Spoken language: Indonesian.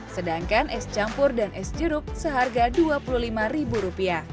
sedangkan es campur dan es jeruk seharga rp dua puluh lima